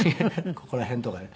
ここら辺とかね